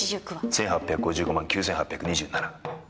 １８５５万９８２７。